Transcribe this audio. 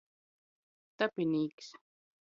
Tapinīks.